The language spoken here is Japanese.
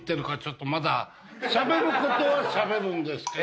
しゃべることはしゃべるけど。